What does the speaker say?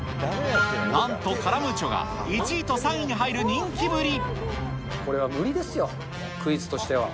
なんと、カラムーチョが１位と３これは無理ですよ、クイズとしては。